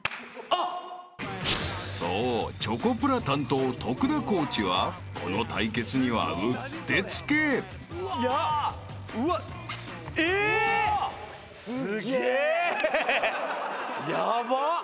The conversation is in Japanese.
［そうチョコプラ担当徳田コーチはこの対決にはうってつけ］うわ！ヤバッ。